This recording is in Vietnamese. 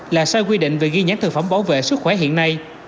là sai quy định về ghi nhãn thực phẩm bảo vệ sức khỏe hiện nay